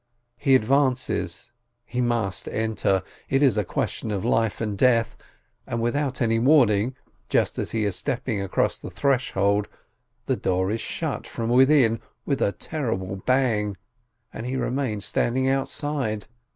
He advances, he must enter, it is a question of life and death. And without any warning, just as he is stepping across the threshhold, the door is shut from within with a terrible bang, and he remains standing outside.